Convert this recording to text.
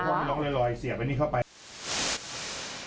ถ้าพวกมันร้องลอยเสียบไว้นี่เข้าไป